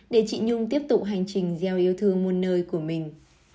để chị nhung tiếp tục hành trình gieo yêu thương muôn nơi của mình